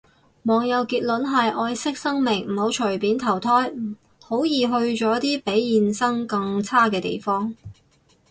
網友結論係，愛惜生命唔好隨便投胎，好易去咗啲比現生更差嘅地方